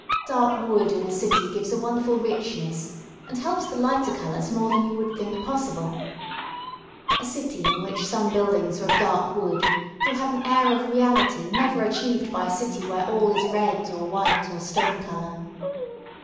Dark wood in a city gives a wonderful richness and helps the lighter colours more than you would think possible. A city in which some buildings are of dark wood will have an air of reality never achieved by a city where all is red or white or stone colour.